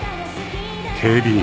［警備員］